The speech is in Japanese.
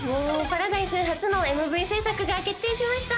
パラダイス初のＭＶ制作が決定しました！